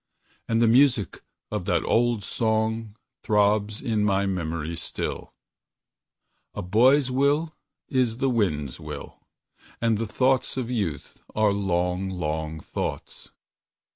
And the music of that old song Throbs in my memory still: "A boy's will is the wind's will, And the thoughts of youth are long, long thoughts."